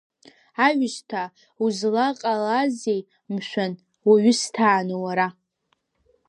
Аҩсҭаа, узлаҟалазеи, мшәан, уаҩысҭааны уара?